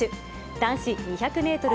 男子２００メートル